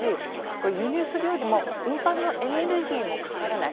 輸入するよりも運搬のエネルギーもかからない。